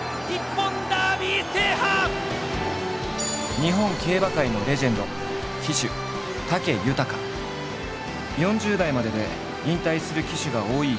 日本競馬界のレジェンド４０代までで引退する騎手が多い競馬の世界。